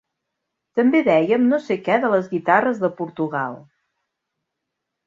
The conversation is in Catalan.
També dèiem no sé què de les guitarres de Portugal.